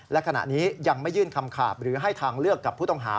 และขณะนี้ยังไม่ยื่นคำขาบหรือให้ทางเลือกกับผู้ต้องหา